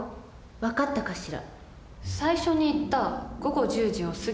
分かったかしら。